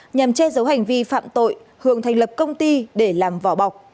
nhằm che giấu hành vi phạm tội hường thành lập công ty để làm vỏ bọc